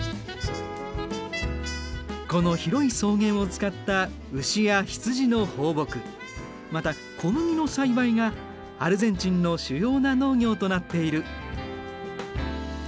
この広い草原を使った牛や羊の放牧また小麦の栽培がアルゼンチンの主要な農業となっている。